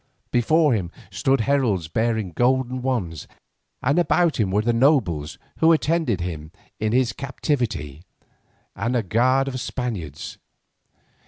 Before him stood heralds bearing golden wands, and about him were the nobles who attended him in his captivity, and a guard of Spaniards.